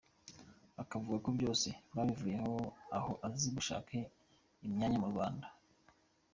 Bakavuga ko byose yabivuyeho aho aziye gushaka imyanya mu Rwanda.